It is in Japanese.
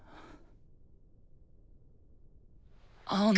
青野。